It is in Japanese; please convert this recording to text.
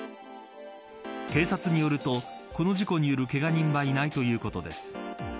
警察によるとこの事故によるけが人はいないということです。